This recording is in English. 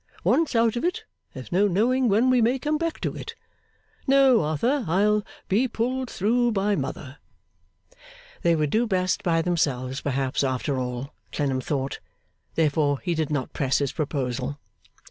Once out of it, there's no knowing when we may come back to it. No, Arthur, I'll be pulled through by Mother.' They would do best by themselves perhaps, after all, Clennam thought; therefore did not press his proposal.